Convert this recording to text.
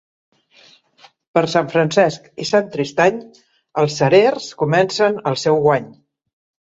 Per Sant Francesc i Sant Tristany, els cerers comencen el seu guany.